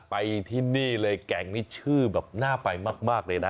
ไปที่นี่เลยแก่งนี้ชื่อแบบน่าไปมากเลยนะ